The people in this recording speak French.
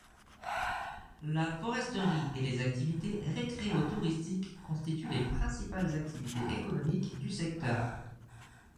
La foresterie et les activités récréotouristiques constituent les principales activités économiques du secteur.